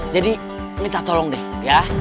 jadi minta tolong deh ya